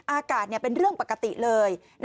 อากาศเป็นเรื่องปกติเลย